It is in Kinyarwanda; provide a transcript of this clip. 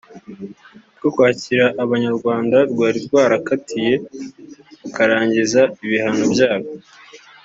bwo kwakira Abanyarwanda rwari rwarakatiye bakarangiza ibihano byabo